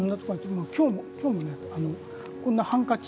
今日もこんなハンカチ。